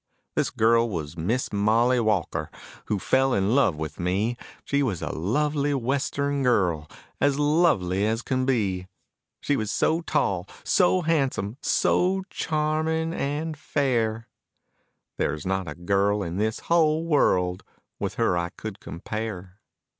This girl was Miss Mollie Walker who fell in love with me, She was a lovely Western girl, as lovely as could be, She was so tall, so handsome, so charming and so fair, There is not a girl in this whole world with her I could compare.